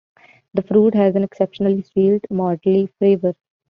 The fruit has an exceptionally sweet, malty flavor.